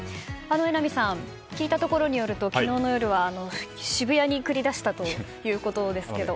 榎並さん聞いたところによると昨日の夜は渋谷に繰り出したということですけど。